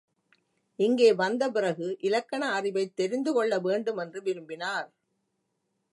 இங்கே வந்த பிறகு இலக்கண அறிவைத் தெரிந்து கொள்ள வேண்டுமென்று விரும்பினார்.